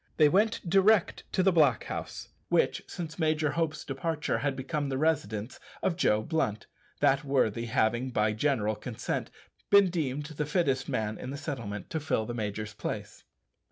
They went direct to the blockhouse, which, since Major Hope's departure, had become the residence of Joe Blunt that worthy having, by general consent, been deemed the fittest man in the settlement to fill the major's place.